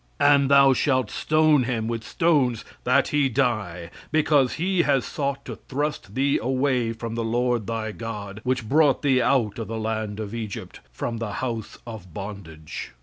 "And thou shalt stone him with stones, that he die; because he has sought to thrust thee away from the Lord thy God, which brought thee out of the land of Egypt, from the house of bondage."